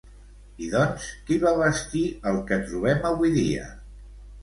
I doncs, qui va bastir el que trobem avui dia?